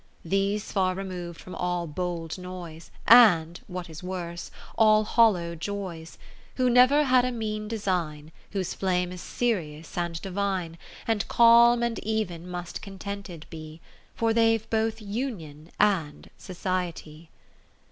X These far remov'd from all bold noise, And (what is worse) all hollow joys, Who never had a mean design. Whose flame is serious and divine, And calm, and even^ must contented be, 59 For they've both Union and Society.